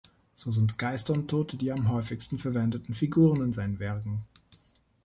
So sind Geister und Tote die am häufigsten verwendeten Figuren in seinen Werken.